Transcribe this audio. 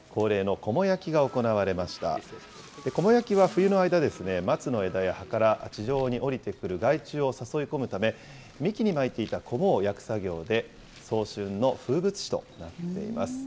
こも焼きは冬の間、松の枝や葉から地上に下りてくる害虫を誘い込むため、幹に巻いていたこもを焼く作業で、早春の風物詩となっています。